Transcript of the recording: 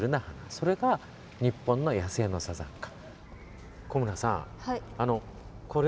それが日本の野生のサザンカ。